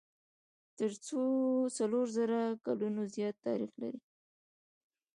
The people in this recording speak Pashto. تر څلور زره کلونو زیات تاریخ لري.